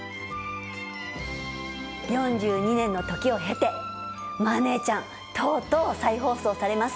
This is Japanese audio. ４２年の時を経て「マー姉ちゃん」とうとう再放送されます。